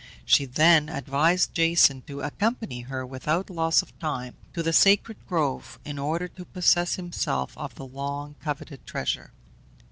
She then advised Jason to accompany her without loss of time to the sacred grove, in order to possess himself of the long coveted treasure.